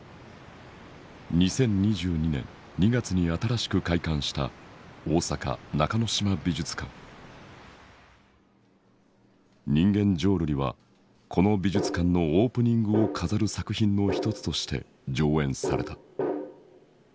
２０２２年２月に新しく開館した人間浄瑠璃はこの美術館のオープニングを飾る作品の一つとして上演された。